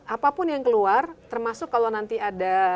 apapun yang keluar termasuk kalau nanti ada